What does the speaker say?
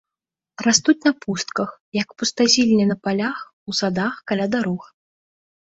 Растуць на пустках, як пустазелле на палях, у садах, каля дарог.